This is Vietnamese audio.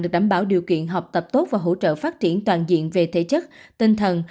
được đảm bảo điều kiện học tập tốt và hỗ trợ phát triển toàn diện về thể chất tinh thần